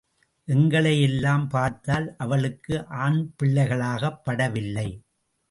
எங்களை எல்லாம் பார்த்தால் அவளுக்கு ஆண்பிள்ளைகளாகப் படவில்லை.